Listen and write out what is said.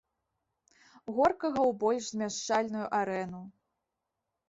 Горкага ў больш змяшчальную арэну.